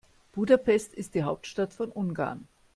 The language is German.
Budapest ist die Hauptstadt von Ungarn.